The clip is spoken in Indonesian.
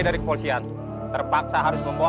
dari kepolisian terpaksa harus membawa